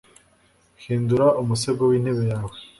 hindura umusego wintebe yawe